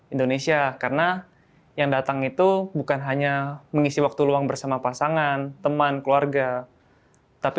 indonesia karena yang datang itu bukan hanya mengisi waktu luang bersama pasangan teman keluarga tapi